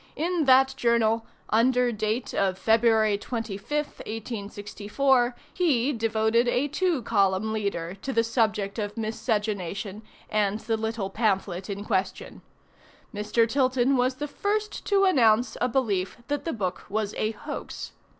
In that journal, under date of February 25, 1864, he devoted a two column leader to the subject of Miscegenation and the little pamphlet in question. Mr. Tilton was the first to announce a belief that the book was a hoax.